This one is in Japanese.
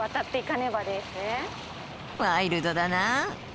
ワイルドだな！